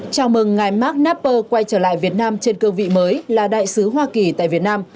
chào mừng ngài mark napper quay trở lại việt nam trên cương vị mới là đại sứ hoa kỳ tại việt nam